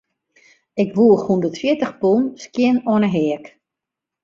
Ik woech hûndertfjirtich pûn skjin oan 'e heak.